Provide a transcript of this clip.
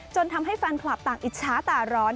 ทำให้แฟนคลับต่างอิจฉาตาร้อน